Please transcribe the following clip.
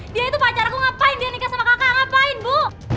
dia itu pacarku ngapain dia nikah sama kakak ngapain bu